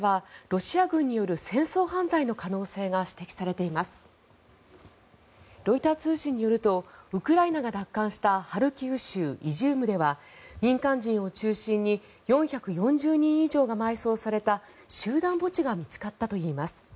ロイター通信によるとウクライナが奪還したハルキウ州イジュームでは民間人を中心に４４０人以上が埋葬された集団墓地が見つかったといいます。